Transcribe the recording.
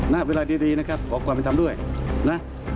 ณเวลาดีนะครับขอความเป็นธรรมด้วยนะ